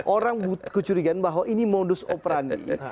orang kecurigaan bahwa ini modus operandi